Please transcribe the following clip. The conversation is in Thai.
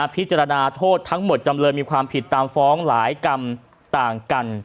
พิจารณาโทษทั้งหมดจำเลยมีความผิดตามฟ้องหลายกรรมต่างกัน